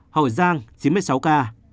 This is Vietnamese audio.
hội giang chín mươi sáu ca